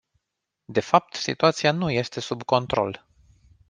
De fapt, situația nu este sub control.